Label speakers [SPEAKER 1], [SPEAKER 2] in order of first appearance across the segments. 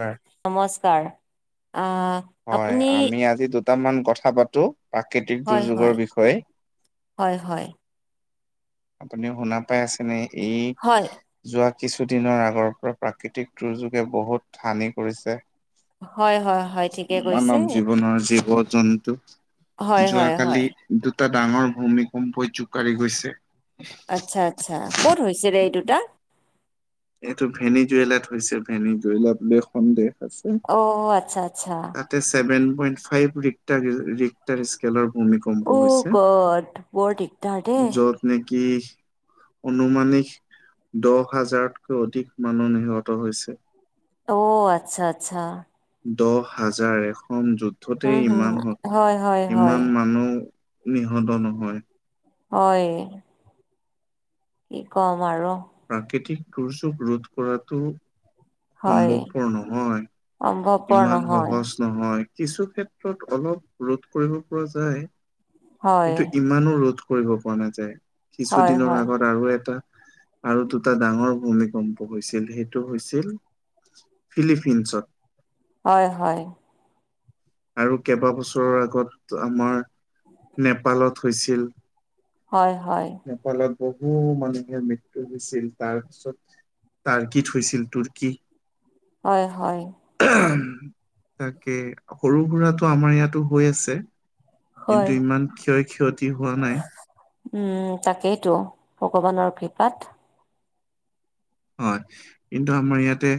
[SPEAKER 1] হয়,
[SPEAKER 2] নমস্কাৰ আহ।
[SPEAKER 1] হয়
[SPEAKER 2] আপুনি
[SPEAKER 1] আমি আজি দুটামান কথা পাতো প্ৰাকৃতিক
[SPEAKER 2] হয়
[SPEAKER 1] দুৰ্যোগৰ
[SPEAKER 2] হয়
[SPEAKER 1] বিষয়ে।
[SPEAKER 2] হয় হয়
[SPEAKER 1] আপুনিও শুনা পাই আছে ন এই
[SPEAKER 2] হয়
[SPEAKER 1] যোৱা কিছুদিনৰ আগৰ পৰা প্ৰাকৃতিক দুৰ্যোগে বহুত হানি কৰিছে।
[SPEAKER 2] হয় হয় হয় ঠিকে কৈছে
[SPEAKER 1] মানৱ জীৱনৰ, জীৱ -জন্তু
[SPEAKER 2] হয় হয়
[SPEAKER 1] যোৱাকালি
[SPEAKER 2] হয়
[SPEAKER 1] দুই এটা ডাঙৰ ভূমিকম্পই জোকাৰি গৈছে।
[SPEAKER 2] আচ্ছা আচ্ছা, ক'ত হৈছিলে এই দুটা?
[SPEAKER 1] এইটো ভেনী জুৱেলাত হৈছে ভেনী জুৱেলা বুলে সন্দেহ। পাছে,
[SPEAKER 2] অ' আচ্ছা আচ্ছা
[SPEAKER 1] তাতে ছেভেন পইন্ট ফাইভ ৰিক ৰিক্টাৰ স্কেলৰ ভূমিকম্প
[SPEAKER 2] অ'
[SPEAKER 1] হৈছে,
[SPEAKER 2] গড বৰ দিগদাৰ দেই
[SPEAKER 1] যত নে কি অনুমানিক দহ হাজাৰত তকৈ অধিক মানুহ নিহত হৈছে।
[SPEAKER 2] অ আচ্ছা আচ্ছা।
[SPEAKER 1] দহ হাজাৰ এখন
[SPEAKER 2] উম
[SPEAKER 1] যুদ্ধতেই
[SPEAKER 2] হম
[SPEAKER 1] ইমান
[SPEAKER 2] হয় হয় হয়
[SPEAKER 1] ইমান মানুহ নিহত নহয়।
[SPEAKER 2] হয়। কি কম আৰু।
[SPEAKER 1] প্ৰাকৃতিক দুৰ্যোগ ৰোধ কৰাতো
[SPEAKER 2] হয়
[SPEAKER 1] সম্ভৱপৰ নহয়,
[SPEAKER 2] সম্ভৱপৰ
[SPEAKER 1] ইমান
[SPEAKER 2] নহয়
[SPEAKER 1] সহজ নহয়। কিছু ক্ষেত্ৰত অলপ ৰোধ কৰিব পৰা যায়,
[SPEAKER 2] হয়
[SPEAKER 1] কিন্তু ইমানো ৰোধ কৰিব পৰা নাযায়,
[SPEAKER 2] হয়
[SPEAKER 1] কিছুদিনৰ
[SPEAKER 2] হয়
[SPEAKER 1] আগত আৰু এটা আৰু দুটা ডাঙৰ ভূমিকম্প হৈছিল, সেইটো হৈছিল ফিলিপিনছত।
[SPEAKER 2] হয় হয়।
[SPEAKER 1] আৰু কেইবাবছৰৰ আগত আমাৰ নেপালত হৈছিল।
[SPEAKER 2] হয় হয়।
[SPEAKER 1] নেপালত বহু মানুহে মৃত্যু হৈছিল, তাৰ পিছত তাৰ্কিট হৈছিল তুৰ্কী।
[SPEAKER 2] হয় হয়।
[SPEAKER 1] উহুম, তাকে সৰু সুৰাটো আমাৰ ইয়াতো হৈ আছে।
[SPEAKER 2] হয়
[SPEAKER 1] কিন্তু ইমান ক্ষয় ক্ষতি হোৱা নাই।
[SPEAKER 2] উম তাকেইতো, ভগৱানৰ কৃপাত।
[SPEAKER 1] হয় কিন্তু আমাৰ ইয়াতে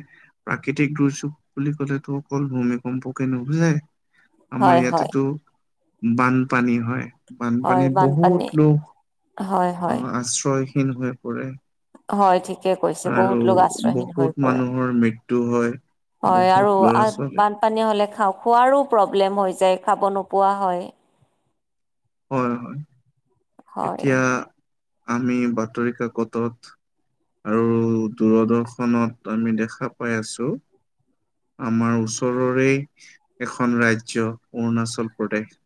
[SPEAKER 1] প্ৰাকৃতিক দুৰ্যোগ বুলি কলেতো অকল ভূমিকম্প কে নুবুজায়, আমাৰ
[SPEAKER 2] হয়, হয়,
[SPEAKER 1] ইয়াতেতো বানপানী হয়।
[SPEAKER 2] হয়,
[SPEAKER 1] বানপানীত
[SPEAKER 2] বানপানী
[SPEAKER 1] বহুত লোক
[SPEAKER 2] হয়, হয়,
[SPEAKER 1] আহ আশ্ৰয়হীন হৈ পৰে
[SPEAKER 2] হয় ঠিকে কৈছে
[SPEAKER 1] আৰু
[SPEAKER 2] বহুত লোক আশ্ৰয়হীন হৈ
[SPEAKER 1] বহুত
[SPEAKER 2] পৰে
[SPEAKER 1] মানুহৰ মৃত্যু হয়
[SPEAKER 2] হয়
[SPEAKER 1] বহুত
[SPEAKER 2] আৰু
[SPEAKER 1] ল'ৰা ছোৱালী
[SPEAKER 2] বানপানী হলে খাওক খোৱাৰো প্ৰব্লেম হৈ যায় খাব নোপোৱা হয়।
[SPEAKER 1] হয় হয়
[SPEAKER 2] হয়,
[SPEAKER 1] এতিয়া আমি বাতৰি কাকতত আৰু দূৰদৰ্শনত আমি দেখা পাই আছো। আমাৰ ওচৰৰে এখন ৰাজ্য অৰুণাচল প্ৰদেশ।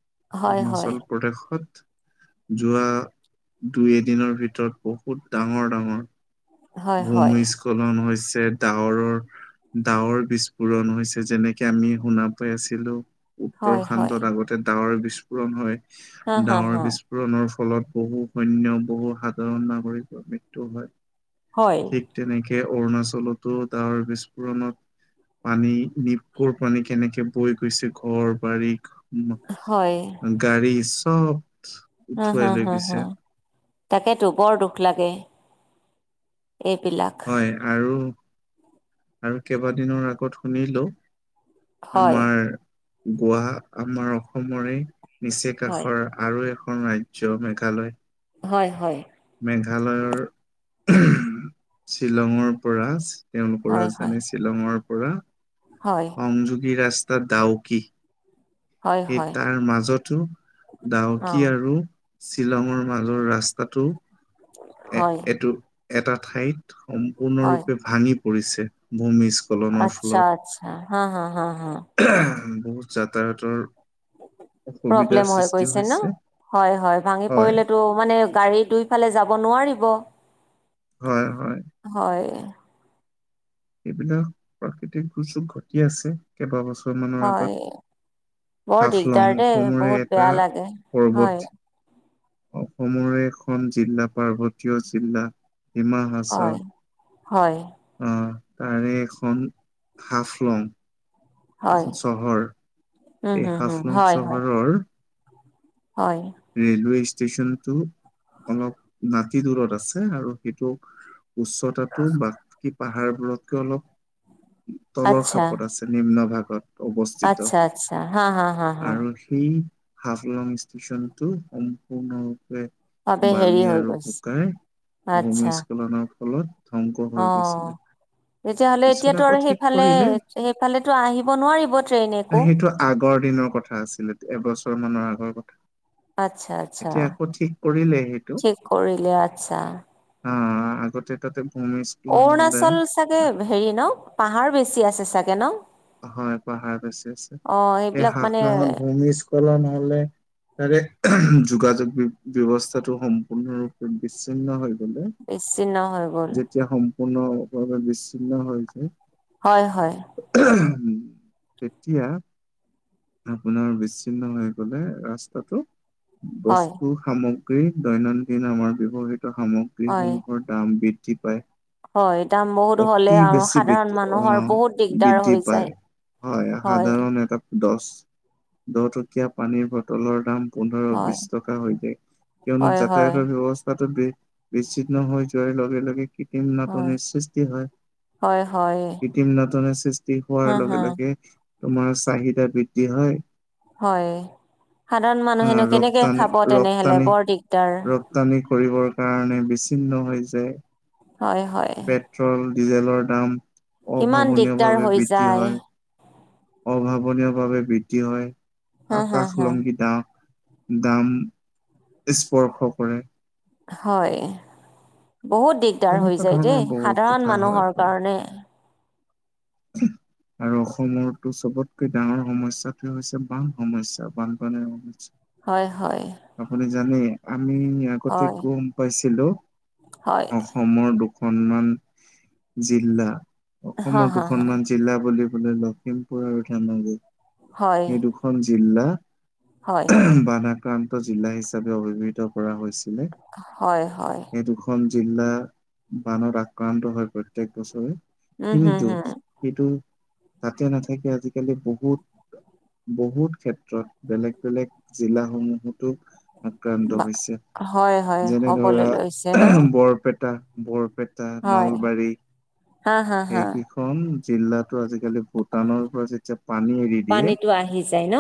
[SPEAKER 2] হয় হয়
[SPEAKER 1] বখত যোৱা দুই এদিনৰ ভিতৰত বহুত ডাঙৰ ডাঙৰ
[SPEAKER 2] হয়, হয়,
[SPEAKER 1] ভূমিস্খলন হৈছে ডাৱৰৰ ডাৱৰ বিস্ফোৰণ হৈছে যেনেকে আমি শুনা পাই আছিলো। উত্তৰ
[SPEAKER 2] হয়, হয়,
[SPEAKER 1] খণ্ডত আগতে ডাৱৰ বিস্ফোৰণ হয়
[SPEAKER 2] হা, হা,
[SPEAKER 1] ডাৱৰ
[SPEAKER 2] হা,
[SPEAKER 1] বিস্ফোৰণৰ ফলত বহু সৈন্য বহু সাধাৰণ নাগৰিকৰ মৃত্যু হয়
[SPEAKER 2] হয়,
[SPEAKER 1] ঠিক তেনেকে। অৰুণাচলতো ডাৱৰ বিস্ফোৰণত পানী নিপ কুৰ পানী কেনেকে বৈ গৈছে ঘৰ বাৰী উ
[SPEAKER 2] হয়,
[SPEAKER 1] গাড়ী চব
[SPEAKER 2] হ
[SPEAKER 1] উঠুৱাই
[SPEAKER 2] হু
[SPEAKER 1] লৈ
[SPEAKER 2] হু হু
[SPEAKER 1] গৈছে
[SPEAKER 2] তাকেতো বৰ দুখ লাগে। এইবিলাক
[SPEAKER 1] হয় আৰু আৰু কেইবাদিনৰ আগত শুনিলো
[SPEAKER 2] হয়,
[SPEAKER 1] আমাৰ গোৱা আমাৰ অসমৰে নিচে
[SPEAKER 2] হয়,
[SPEAKER 1] কষৰ আৰু এখন ৰাজ্য মেঘালয়।
[SPEAKER 2] হয় হয়
[SPEAKER 1] মেঘালয়ৰ শ্বিলঙৰ পৰা তেওঁলোকৰ
[SPEAKER 2] হয়, হয়,
[SPEAKER 1] ৰাজধানী শ্বিলঙৰ পৰা
[SPEAKER 2] হয়,
[SPEAKER 1] সংযোগী ৰাষ্ট্ৰ। দাওকী
[SPEAKER 2] হয়,
[SPEAKER 1] সেই
[SPEAKER 2] হয়,
[SPEAKER 1] তাৰ মাজতো ডাউকী
[SPEAKER 2] অ',
[SPEAKER 1] আৰু শ্বিলঙৰ মাজৰ ৰাস্তাটো এ
[SPEAKER 2] হয়।
[SPEAKER 1] এটো এটা ঠাইত
[SPEAKER 2] হয়,
[SPEAKER 1] সম্পূৰ্ণৰূপে ভাঙি পৰিছে ভূমিস্খলনৰ
[SPEAKER 2] আচ্ছা
[SPEAKER 1] ফলত।
[SPEAKER 2] আচ্ছা, হা হা হা হা,
[SPEAKER 1] বহুত যাতায়াতৰ অসুবিধাৰ
[SPEAKER 2] প্ৰব্লেম হয়
[SPEAKER 1] সৃষ্টি
[SPEAKER 2] গৈছে ন
[SPEAKER 1] হৈছে
[SPEAKER 2] হয়, হয়, ভাঙি পৰিলেটো মানে গাড়ী দুইফালে যাব নোৱাৰিব
[SPEAKER 1] হয় হয়
[SPEAKER 2] হয়
[SPEAKER 1] এইবিলাক প্ৰাকৃতিক দুৰ্যোগ ঘটি আছে কেইবাবছৰমানৰ
[SPEAKER 2] হয়,
[SPEAKER 1] আগত
[SPEAKER 2] বৰ দিগদাৰ
[SPEAKER 1] হাফলং
[SPEAKER 2] দেই
[SPEAKER 1] অসমৰে
[SPEAKER 2] বহুত
[SPEAKER 1] এটা
[SPEAKER 2] বেয়া লাগে। হয়
[SPEAKER 1] পৰ্বত অসমৰে এখন জিলা পাৰ্বতীয় জিলা ডিমা
[SPEAKER 2] হয়
[SPEAKER 1] হাচাৰ
[SPEAKER 2] হয়
[SPEAKER 1] অ তাৰে এখন হাফ লং
[SPEAKER 2] হয়,
[SPEAKER 1] এখন চহৰ
[SPEAKER 2] উম
[SPEAKER 1] এই
[SPEAKER 2] হুম হুম,
[SPEAKER 1] হাফলং
[SPEAKER 2] হয় হয়
[SPEAKER 1] চহৰৰ
[SPEAKER 2] হয়,
[SPEAKER 1] ৰেলৱে ষ্টেশচন টো অলপ নাতি দূৰত আছে আৰু সেইটো। উচ্চতাটো বাকী পাহাৰবোৰতকে অলপ তলৰ
[SPEAKER 2] আচ্ছা
[SPEAKER 1] খাপত আছে নিম্ন ভাগত। অৱস্থিত
[SPEAKER 2] আচ্ছা আচ্ছা, হা হা হা হা,
[SPEAKER 1] আৰু সেই হাফলং ষ্টেচনটো সম্পূৰ্ণ।
[SPEAKER 2] বাবে হেৰি
[SPEAKER 1] বালি
[SPEAKER 2] হৈ
[SPEAKER 1] আৰু
[SPEAKER 2] গৈছে,
[SPEAKER 1] বোকাই
[SPEAKER 2] আচ্ছা।
[SPEAKER 1] ভূমিস্খলনৰ ফলত ধ্বংস হৈ
[SPEAKER 2] অ',
[SPEAKER 1] গৈছিলে।
[SPEAKER 2] তেতিয়াহলে
[SPEAKER 1] পিছত
[SPEAKER 2] এতিয়াতটো
[SPEAKER 1] আকৌ
[SPEAKER 2] আৰু
[SPEAKER 1] ঠিক
[SPEAKER 2] সেইফালে
[SPEAKER 1] কৰিলে
[SPEAKER 2] সেইফালেতো আহিব নোৱাৰিব ট্ৰেইন। একো।
[SPEAKER 1] সেইটো আগৰ দিনৰ কথা আছিলে এবছৰ মানৰ আগৰ কথা।
[SPEAKER 2] আচ্ছা আচ্ছা
[SPEAKER 1] এতিয়া আকৌ ঠিক কৰিলে
[SPEAKER 2] ঠিক কৰিলে আচ্ছা।
[SPEAKER 1] অ আগতে তাতে [unintelligible] হলে
[SPEAKER 2] অৰুণাচল চাগে হেৰি ন পাহাৰ বেছি আছে চাগে ন
[SPEAKER 1] হয় পাহাৰ বেছি আছে
[SPEAKER 2] অ
[SPEAKER 1] সেই
[SPEAKER 2] এইবিলাক মানে
[SPEAKER 1] হাফলঙত ভূমিস্খলন হলে তাৰে যোগাযোগ ব্যৱস্থাটো সম্পূৰ্ণৰূপে বিচ্ছিন্ন হৈ গ'লে
[SPEAKER 2] বেছি নহয়
[SPEAKER 1] যেতিয়া সম্পূৰ্ণ বিচ্ছিন্ন হৈ হৈছে
[SPEAKER 2] হয় হয়
[SPEAKER 1] উম তেতিয়া আপোনাৰ বিচ্ছিন্ন হৈ গলে ৰাস্তাটো
[SPEAKER 2] হয়
[SPEAKER 1] বস্তু সামগ্ৰী দৈনন্দিন আমাৰ ব্যয়ৱহৃত
[SPEAKER 2] হয়।
[SPEAKER 1] সামগ্ৰীসমূহৰ দাম বৃদ্ধি বুজি পায়
[SPEAKER 2] হয় দাম বহুত হ'লে
[SPEAKER 1] অতি
[SPEAKER 2] আৰু
[SPEAKER 1] বেছি
[SPEAKER 2] সাধাৰণ মানুহৰ
[SPEAKER 1] আহ
[SPEAKER 2] বহুত দিগদাৰ
[SPEAKER 1] বৃদ্ধি
[SPEAKER 2] হৈ
[SPEAKER 1] পায়
[SPEAKER 2] যায়।
[SPEAKER 1] হয় সাধাৰণ এটা দহ দহটকীয়া পানীৰ বটলৰ দাম পোন্ধৰ
[SPEAKER 2] হয়
[SPEAKER 1] বিশ টকা হৈ যায় কিয়নো
[SPEAKER 2] হয় হয়
[SPEAKER 1] যাতায়াতৰ ব্যৱস্থাত বিচ্ছিন্ন হৈ যোৱাৰ লগে লগে কৃত্ৰিম
[SPEAKER 2] হয়
[SPEAKER 1] নাটনিৰ সৃষ্টি হয়
[SPEAKER 2] হয় হয়।
[SPEAKER 1] কৃটিম নতনে সৃষ্টি হোৱাৰ
[SPEAKER 2] হা হা
[SPEAKER 1] লগে লগে [unintelligible] তোমাৰ চাহিদা বৃদ্ধি হয়
[SPEAKER 2] হয় সাধাৰণ
[SPEAKER 1] আহ
[SPEAKER 2] মানুহেনো কেনেকে
[SPEAKER 1] ৰপ্তানি
[SPEAKER 2] খাব তেনেহলে
[SPEAKER 1] ৰপ্তানি
[SPEAKER 2] বৰ দিগদাৰ
[SPEAKER 1] ৰপ্তানি কৰিবৰ কাৰণে বিচ্ছিন্ন হৈ য
[SPEAKER 2] হয় হয়
[SPEAKER 1] ডিজেলৰ দাম
[SPEAKER 2] কিমান দিগদাৰ
[SPEAKER 1] অভাৱনীয়ভাৱে
[SPEAKER 2] হৈ
[SPEAKER 1] বৃদ্ধি
[SPEAKER 2] যায়
[SPEAKER 1] হয় অভাৱনীয়ভাৱে বৃদ্ধি হয়
[SPEAKER 2] হা হা হা
[SPEAKER 1] আকাশলম্বীতা [unintelligible] [unintelligible] দাম স্পৰ্শ কৰে
[SPEAKER 2] হয় বহুত দিগদাৰ হৈ
[SPEAKER 1] তেনেকুৱা
[SPEAKER 2] যায়
[SPEAKER 1] ধৰণৰ
[SPEAKER 2] দেই
[SPEAKER 1] বহুত
[SPEAKER 2] সাধাৰণ
[SPEAKER 1] কথা হৈ
[SPEAKER 2] মানুহৰ
[SPEAKER 1] পৰে।
[SPEAKER 2] কাৰণে
[SPEAKER 1] [inaudible] আৰু অসমৰতো চবতকৈ ডাঙৰ সমস্যাতে হৈছে বান সমস্য়া বানপানীৰ সমস্যা [unintelligible]
[SPEAKER 2] হয় হয়
[SPEAKER 1] আপুনি জানে আমি আগতে
[SPEAKER 2] হয়
[SPEAKER 1] গম পাইছিলো
[SPEAKER 2] হয়
[SPEAKER 1] অসমৰ দু দুখনমান জিলা
[SPEAKER 2] হা
[SPEAKER 1] অসমৰ
[SPEAKER 2] হা হা
[SPEAKER 1] দুখনমান জিলা বুলি বোলে লখিমপুৰ আৰু ধেমাজি
[SPEAKER 2] হয়
[SPEAKER 1] এই দুখন জিলা
[SPEAKER 2] হয়
[SPEAKER 1] বান আাক্ৰান্ত জিলা হিচাপে অভিহিত কৰা হৈছে [unintelligible]
[SPEAKER 2] হয় হয়
[SPEAKER 1] জিলা বানত আক্ৰান্ত হয় প্ৰত্যেক বছৰে
[SPEAKER 2] উম হম
[SPEAKER 1] কিন্তু
[SPEAKER 2] হম
[SPEAKER 1] সটো তাতে নাথাকে আজিকালি বহুত বহুত ক্ষেত্ৰত বেলেগ বেলেগ জিলা সমূহতো আক্ৰান্ত হৈছে
[SPEAKER 2] হয় হয়
[SPEAKER 1] যেনে ধৰা
[SPEAKER 2] হ'বলৈ লৈছে ন
[SPEAKER 1] বৰপেটা বৰপেটা
[SPEAKER 2] হয়
[SPEAKER 1] নলবাৰী
[SPEAKER 2] হা হা হা
[SPEAKER 1] এইকেইখন জিলাতো আজিকালি ভূটানৰ পৰা যেতিয়া পানী এৰি দিয়ে
[SPEAKER 2] পানীটো আহি যায় ন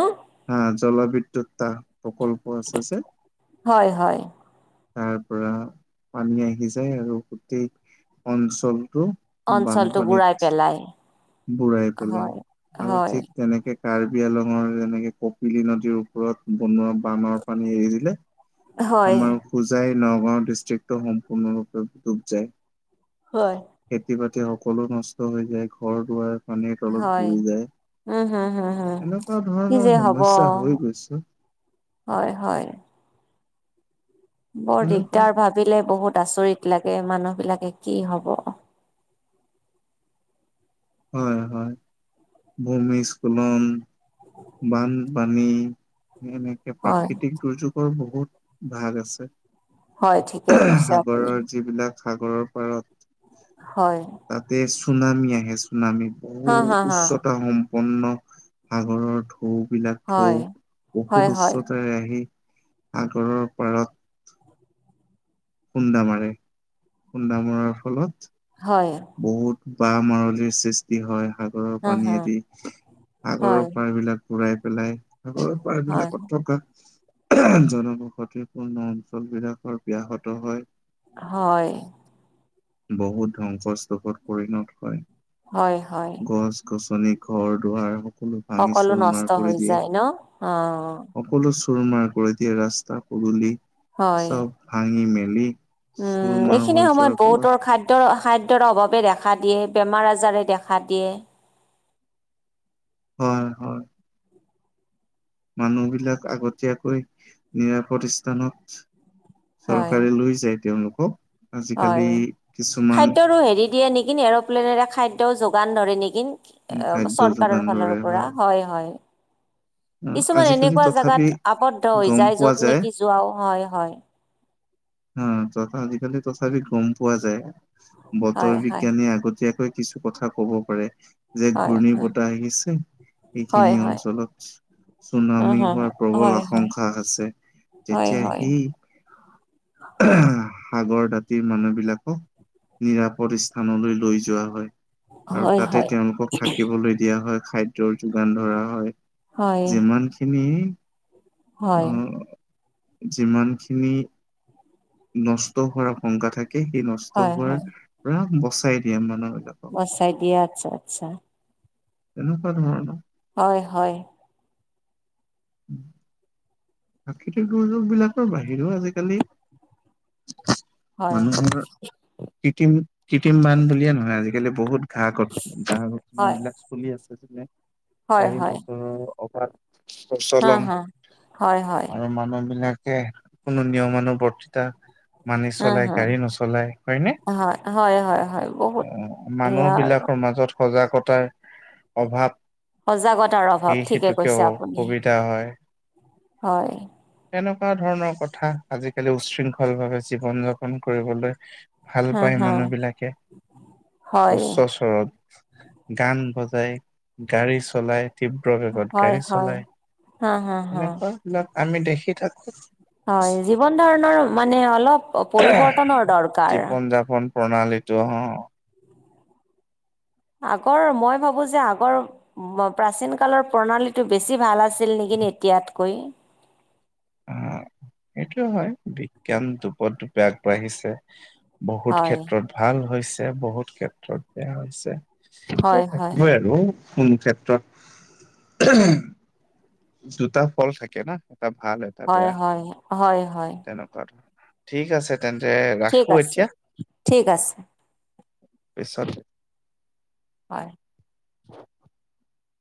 [SPEAKER 1] হ জলবিদ্যুত তাহ প্ৰকল্প আছে যে
[SPEAKER 2] হয় হয়
[SPEAKER 1] তাৰ পৰা পানী আহি যায় আৰু গোটেই অঞ্চলটো বান
[SPEAKER 2] অঞ্চলটো
[SPEAKER 1] পানীত
[SPEAKER 2] বুঢ়াই পেলাই
[SPEAKER 1] বুঢ়াই পেলাই
[SPEAKER 2] হয়
[SPEAKER 1] আৰু
[SPEAKER 2] হয়
[SPEAKER 1] ঠিক তেনেকে কাৰ্বিআলঙৰ যেনেকে কপিলি নদীৰ ওপৰত বনোৱা বানৰ পানী এৰি দিলে
[SPEAKER 2] হয়
[SPEAKER 1] আমাৰ খোজাই নগাঁও ডিষ্ট্ৰিক্টটো সম্পূৰ্ণৰূপে ডুব যায়
[SPEAKER 2] হয়
[SPEAKER 1] খেতি বাতি সকলো নষ্ট হৈ যায় ঘৰ দুৱাৰ পানীৰ তলত
[SPEAKER 2] হয়
[SPEAKER 1] ভৰি যায়
[SPEAKER 2] উম হম হম হম
[SPEAKER 1] এনেকুৱা
[SPEAKER 2] কি
[SPEAKER 1] ধৰণৰ
[SPEAKER 2] যে হব
[SPEAKER 1] সমস্যা হৈ গৈছে,
[SPEAKER 2] হয় হয়। বৰ
[SPEAKER 1] এনেকুৱা
[SPEAKER 2] দিগদাৰ ভাবিলে বহুত আচৰিত লাগে মানুহ বিলাকে কি হব?
[SPEAKER 1] হয় হয় ভূমিস্খলন, বান পানী এনেকে
[SPEAKER 2] হয়
[SPEAKER 1] প্ৰাকৃতিক দুৰ্যোগৰ বহুত ভাগ আছে।
[SPEAKER 2] হয় ঠিকে কৈছে আপুনি
[SPEAKER 1] সাগৰৰ যিবিলাক সাগৰৰ পাৰত,
[SPEAKER 2] হয়
[SPEAKER 1] তাতে চুনামী আহে চুনামী
[SPEAKER 2] হা
[SPEAKER 1] বহুত
[SPEAKER 2] হা হা
[SPEAKER 1] উচ্চতা সম্পন্ন সাগৰৰ ঢৌ বিলাক ঢৌ
[SPEAKER 2] হয় হয়
[SPEAKER 1] বহুত
[SPEAKER 2] হয়
[SPEAKER 1] উচ্চতাৰে আহি সাগৰৰ পাৰত খুন্দা মাৰে, খুন্দা মৰাৰ ফলত
[SPEAKER 2] হয়।
[SPEAKER 1] বহুত বাহ মাৰলিৰ সৃষ্টি হয়, সাগৰৰ
[SPEAKER 2] হা হা
[SPEAKER 1] পানীয়েদি সাগৰৰ
[SPEAKER 2] হয়
[SPEAKER 1] পাৰ বিলাক ঘূৰাই পেলাই আগৰ
[SPEAKER 2] হয়
[SPEAKER 1] পাৰবিলাকত থকা জনবসতিপূৰ্ণ অঞ্চলবিলাকৰ ব্যাহত হয়।
[SPEAKER 2] হয়।
[SPEAKER 1] বহুত ধ্বংসস্তোষত পৰিণত হয়।
[SPEAKER 2] হয় হয়।
[SPEAKER 1] খনি ঘৰ -দুৱাৰ সকলো ভাঙি
[SPEAKER 2] সকলো
[SPEAKER 1] চুৰ মাৰ
[SPEAKER 2] নষ্ট
[SPEAKER 1] কৰি
[SPEAKER 2] হৈ
[SPEAKER 1] দিয়ে।
[SPEAKER 2] যায় ন অ
[SPEAKER 1] সকলো চুৰ মাৰ কৰি দিয়ে ৰাস্তা, পদুলি
[SPEAKER 2] হয়
[SPEAKER 1] চব ভাঙি মেলি চুৰ
[SPEAKER 2] উম
[SPEAKER 1] মাৰ
[SPEAKER 2] এইখিনি
[SPEAKER 1] হৈ যোৱাৰ
[SPEAKER 2] সময়ত
[SPEAKER 1] ফলত
[SPEAKER 2] বহুতৰ খাদ্য দ্যৰ খাদ্যৰ অভাৱে দেখা দিয়ে, বেমাৰ আজাৰে দেখা দিয়ে।
[SPEAKER 1] [inaudible] হয় হয়। মানুহবিলাক আগতীয়াকৈ নিৰাপদ স্থানত
[SPEAKER 2] হয়
[SPEAKER 1] চৰকাৰে লৈ যায় তেওঁলোকক।
[SPEAKER 2] হয়,
[SPEAKER 1] আজিকালি কিছুমান
[SPEAKER 2] খাদ্যৰো হেৰি দিয়ে নেকি এৰপ্লেনেৰে খাদ্য যোগান ধৰে নেকি?
[SPEAKER 1] খাদ্য যোগান
[SPEAKER 2] চৰকাৰৰ
[SPEAKER 1] ধৰে
[SPEAKER 2] ফালৰ পৰা হয় হয়।
[SPEAKER 1] আহ
[SPEAKER 2] কিছুমান
[SPEAKER 1] আজিকালি
[SPEAKER 2] এনেকুৱা
[SPEAKER 1] তথাপি
[SPEAKER 2] জাগাত আৱদ্ধ হৈ
[SPEAKER 1] গম
[SPEAKER 2] যায়
[SPEAKER 1] পোৱা
[SPEAKER 2] য'ত নেকি, যোৱাও হয় হয়।
[SPEAKER 1] অ ত আজিকালি তথাপি গম পোৱা যায়। বতৰ
[SPEAKER 2] হয় হয়
[SPEAKER 1] বিজ্ঞানী আগতীয়াকৈ কিছু কথা কব পাৰে। যে
[SPEAKER 2] হয়
[SPEAKER 1] ঘূৰ্ণী
[SPEAKER 2] হয়
[SPEAKER 1] বতাহ আহিছে,
[SPEAKER 2] হয়
[SPEAKER 1] এইখিনি
[SPEAKER 2] হয়
[SPEAKER 1] অঞ্চলত
[SPEAKER 2] উম
[SPEAKER 1] চুনামী
[SPEAKER 2] হম
[SPEAKER 1] হোৱাৰ প্ৰবল
[SPEAKER 2] হয় হয়
[SPEAKER 1] আশংকা আছে,
[SPEAKER 2] হয়
[SPEAKER 1] তেতিয়া
[SPEAKER 2] হয়
[SPEAKER 1] সি সাগৰ দাঁতিৰ মানুহবিলাকক নিৰাপদ স্থানলৈ লৈ যোৱা হয়। আৰু
[SPEAKER 2] হয়
[SPEAKER 1] তাতে
[SPEAKER 2] হয়
[SPEAKER 1] তেওঁলোকক থাকিবলৈ দিয়া হয়, খাদ্যৰ যোগান ধৰা হয়।
[SPEAKER 2] হয়
[SPEAKER 1] যিমানখিনি
[SPEAKER 2] হয়
[SPEAKER 1] আহ, যিমানখিনি নষ্ট হোৱাৰ আশংকা থাকে, সেই নষ্ট
[SPEAKER 2] হয়
[SPEAKER 1] হোৱাৰ পৰা বচাই দিয়ে মানুহ বিলাকক
[SPEAKER 2] বছাই দিয়ে আচ্ছা আচ্ছা।
[SPEAKER 1] তেনেকুৱা ধৰণৰ
[SPEAKER 2] হয় হয়।
[SPEAKER 1] উম। প্ৰাকৃতিক দুৰ্যোগ বিলাকৰ বাহিৰেও আজিকালি
[SPEAKER 2] হয়
[SPEAKER 1] মানুহ আমাৰ কৃত্ৰিম কৃত্ৰিম বান বুলিয়ে নহয়, আজিকালি বহুত ঘাঁহ ঘঠ ঘহ ঘঠ
[SPEAKER 2] হয়
[SPEAKER 1] বিলাক চলি আছে, যেনে
[SPEAKER 2] হয়
[SPEAKER 1] গাড়ী
[SPEAKER 2] হয়
[SPEAKER 1] মটৰৰ অভাৱ
[SPEAKER 2] হা হা হয়। হয়
[SPEAKER 1] আৰু মানুহ বিলাকে কোনো নিয়মানুবৰ্তিতা মানি
[SPEAKER 2] হা
[SPEAKER 1] চলাই
[SPEAKER 2] হা
[SPEAKER 1] গাড়ী নচলাই হয় নে?
[SPEAKER 2] হয় হয় হয় হয় বহুত
[SPEAKER 1] অ মানুহ
[SPEAKER 2] ইয়াৰ
[SPEAKER 1] বিলাকৰ মাজত সজাগতাৰ অভাৱ
[SPEAKER 2] সজাগতাৰ অভাৱ,
[SPEAKER 1] সেই
[SPEAKER 2] ঠিকে
[SPEAKER 1] হেতুকেও
[SPEAKER 2] কৈছে আপুনি
[SPEAKER 1] সুবিধা হয়।
[SPEAKER 2] হয়।
[SPEAKER 1] তেনেকুৱা ধৰণৰ কথা আজিকালি উশৃংখল ভাৱে জীৱন যাপন কৰিবলৈ ভাল
[SPEAKER 2] হা
[SPEAKER 1] পাই
[SPEAKER 2] হা
[SPEAKER 1] মানুহবিলাকে
[SPEAKER 2] হয়
[SPEAKER 1] উচ্চ সৰত গান বজাই গাড়ী চলাই তীব্ৰ বেগত
[SPEAKER 2] হয়
[SPEAKER 1] গাড়ী
[SPEAKER 2] হয়
[SPEAKER 1] চলাই
[SPEAKER 2] হা হা হা
[SPEAKER 1] সেনেকুৱা বিলাক আমি দেখি থাকোঁ
[SPEAKER 2] হয় জীৱন ধাৰণৰ মানে অলপ পৰিৱৰ্তনৰ দৰকাৰ
[SPEAKER 1] জীৱন যাপন প্ৰণালীটো অহঁ
[SPEAKER 2] আগৰ মই ভাবো যে আগৰ প্ৰাচীন কালৰ প্ৰণালীটো বেছি ভাল আছিল নেকি এতিয়াতকৈ
[SPEAKER 1] [inaudible] অ সেইটো হয় বিজ্ঞানটোপদূপে আগবাঢ়িছে। বহুত
[SPEAKER 2] হয়
[SPEAKER 1] ক্ষেত্ৰত ভাল হৈছে বহুত ক্ষেত্ৰত বেয়া হৈছে। সেইটো
[SPEAKER 2] হয় হয়
[SPEAKER 1] থাকিবই আৰু কোনো ক্ষেত্ৰত জোতা ফল থাকে না এটা ভাল এটা
[SPEAKER 2] হয়
[SPEAKER 1] বেয়া
[SPEAKER 2] হয় হয় হয়
[SPEAKER 1] তেনেকুৱা ঠিক আছে তেন্তে
[SPEAKER 2] ঠিক
[SPEAKER 1] ৰাখো
[SPEAKER 2] আছে
[SPEAKER 1] এতিয়া
[SPEAKER 2] ঠিক আছে
[SPEAKER 1] পিছত
[SPEAKER 2] হয়।
[SPEAKER 1] [inaudible]